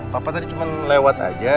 papa tadi cuma lewat aja